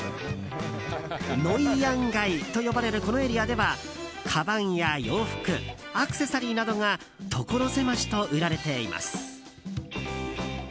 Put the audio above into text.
ノイヤンガイと呼ばれるこのエリアではかばんや洋服アクセサリーなどがところ狭しと売られています。